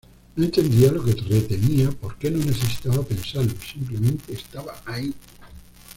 No entendía lo que retenía porque no necesitaba pensarlo, simplemente estaba ahí.